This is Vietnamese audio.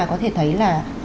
có thể thấy là